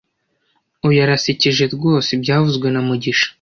Uyu arasekeje rwose byavuzwe na mugisha